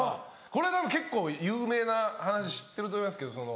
これ結構有名な話知ってると思いますけど。